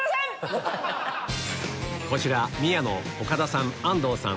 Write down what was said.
こちら宮野岡田さん安藤さん